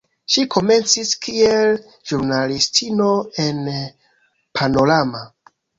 Ŝi komencis kiel ĵurnalistino en "Panorama".